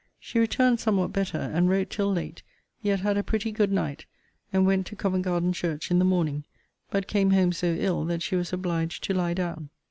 She returned somewhat better; and wrote till late; yet had a pretty good night: and went to Covent garden church in the morning; but came home so ill that she was obliged to lie down.